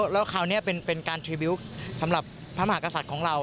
แล้วคราวนี้เป็นการทรีวิวต์สำหรับพระมหากษัตริย์ของเรา